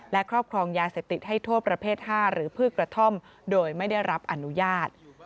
และครอบครองยาเสพติดให้โทษประเภท๕หรือพืชกระท่อมโดยไม่ได้รับอนุญาต